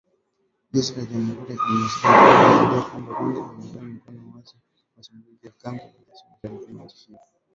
Jeshi la Jamuhuri ya kidemokrasia ya Kongo limedai kwamba Rwanda inawaunga mkono waasi kutekeleza mashambulizi dhidi ya kambi za jeshi mashariki mwa nchi hiyo